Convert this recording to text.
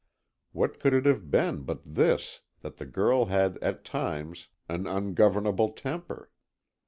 What could it have been but this, that the girl had, at times, an ungovernable temper?